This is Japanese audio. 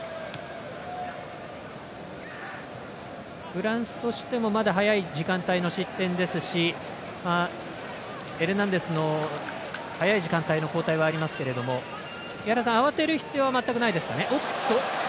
フランスとしてもまだ早い時間帯の失点ですしエルナンデスの早い時間の交代はありますけれども慌てる必要は全くないですかね。